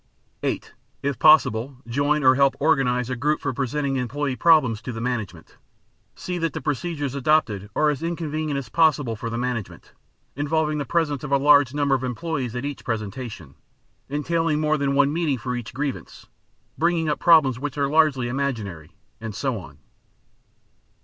(8) If possible, join or help organize a group for presenting employee problems to the management. See that the procedures adopted are as inconvenient as possible for the management, involving the presence of a large number of employees at each presentation, entailing more than one meeting for each grievance, bringing up problems which are largely imaginary, and so on.